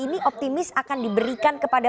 ini optimis akan diberikan kepada